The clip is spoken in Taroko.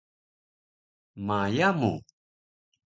ma yamu!